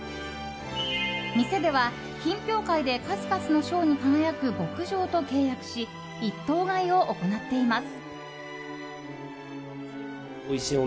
店では、品評会で数々の賞に輝く牧場と契約し一頭買いを行っています。